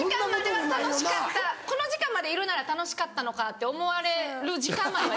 「この時間までいるなら楽しかったのか」って思われる時間までは。